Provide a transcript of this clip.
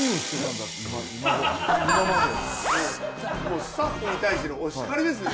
もうスタッフに対してのお叱りですね。